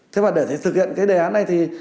thế và để thực hiện cái đề án này thì